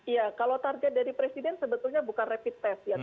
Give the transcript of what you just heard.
iya kalau target dari presiden sebetulnya bukan rapid test ya